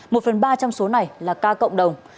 một phần ba trong số này là ca cộng đồng